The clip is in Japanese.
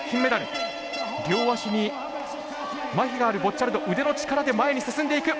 両足にまひがあるボッチャルド腕の力で前に進んでいく。